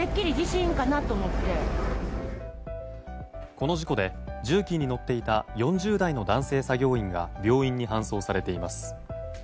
この事故で重機に乗っていた４０代の男性作業員が病院に搬送されています。